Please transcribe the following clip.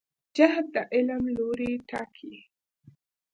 جهت د عمل لوری ټاکي.